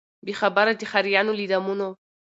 بې خبره د ښاریانو له دامونو